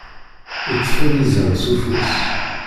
Iṭṭef-d izan s ufus!